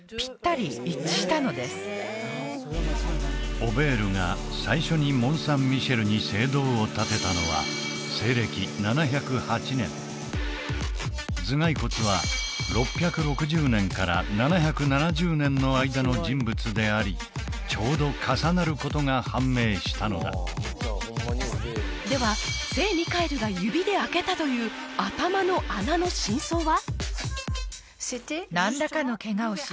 オベールが最初にモン・サン・ミシェルに聖堂を建てたのは西暦７０８年頭蓋骨は６６０年から７７０年の間の人物でありちょうど重なることが判明したのだでは聖ミカエルが指であけたという頭の穴の真相は？